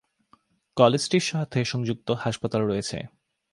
কলেজটির সাথে সংযুক্ত হাসপাতাল রয়েছে।